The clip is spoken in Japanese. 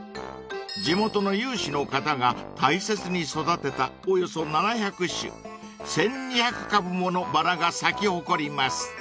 ［地元の有志の方が大切に育てたおよそ７００種１，２００株ものバラが咲き誇ります］